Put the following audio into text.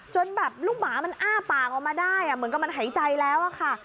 จนแบบลูกหมามันอ้าปากออกมาได้เหมือนกับมันหายใจแล้วอะค่ะ